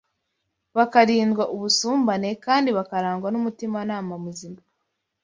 bakarindwa ubusumbane, kandi bakarangwa n’umutimanama muzima